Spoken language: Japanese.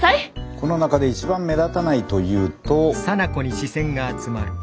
この中で一番目立たないというと。